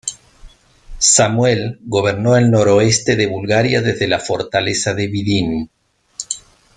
Samuel gobernó el noroeste de Bulgaria desde la fortaleza de Vidin.